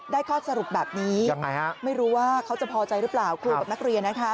ได้ข้อสรุปแบบนี้ไม่รู้ว่าเขาจะพอใจหรือเปล่าครูกับนักเรียน